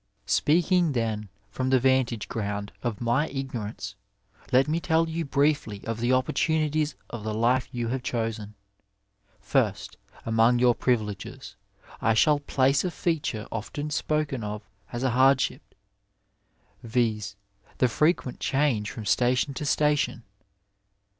'' Speaking, then, from the vantage ground of my ignor ance, let me tell you briefly of the opportunities of the life you have chosen. First among your privileges I shall place a feature often spoken of as a hardship, viz., the frequent change from station to station.